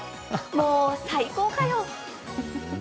もう最高かよ！